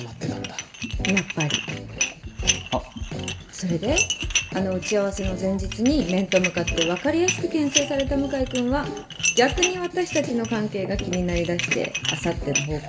それであの打ち合わせの前日に面と向かって分かりやすくけん制された向井君は逆に私たちの関係が気になりだしてあさっての方向